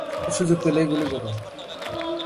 সুযোগ পেলেই গুলি করো।